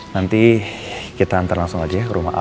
nanti kita ntar langsung aja ya ke rumah al